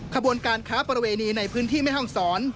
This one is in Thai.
ขบวนการค้าประเวณีในพื้นที่แม่ห้องศร